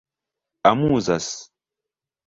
amuzas